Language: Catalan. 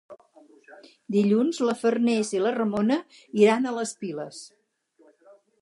Dilluns na Farners i na Ramona iran a les Piles.